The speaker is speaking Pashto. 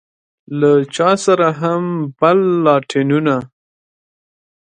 له چا سره هم بل لاټينونه.